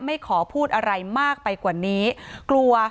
ที่โพสต์ก็คือเพื่อต้องการจะเตือนเพื่อนผู้หญิงในเฟซบุ๊คเท่านั้นค่ะ